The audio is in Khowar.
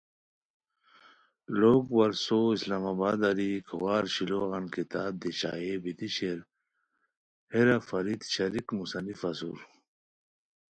لوگ ورثو اسلام آباد اری کھوار شلوغان کتاب دی شائع بیتی شیر ہیرا فرید شریک مصنف اسور